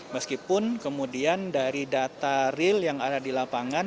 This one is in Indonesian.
meskipun kemudian dari data real yang ada di lapangan